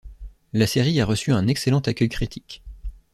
La série a reçu un excellent accueil critique.